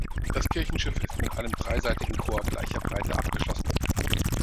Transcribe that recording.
Das Kirchenschiff ist mit einem dreiseitigen Chor gleicher Breite abgeschlossen.